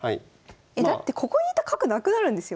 えだってここにいた角なくなるんですよ？